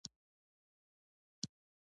زابل د بادامو باغونه لري